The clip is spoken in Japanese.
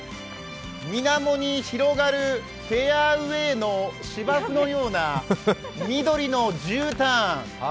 みなもに広がるフェアウェーの芝生のような緑のじゅうたん。